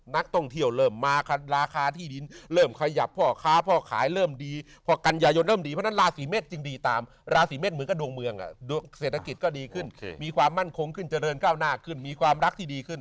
นักท่องเที่ยวเริ่มมาราคาที่ดินเริ่มขยับพ่อค้าพ่อขายเริ่มดีพอกันยายนเริ่มดีเพราะฉะนั้นราศีเมษจึงดีตามราศีเมษเหมือนกับดวงเมืองเศรษฐกิจก็ดีขึ้นมีความมั่นคงขึ้นเจริญก้าวหน้าขึ้นมีความรักที่ดีขึ้น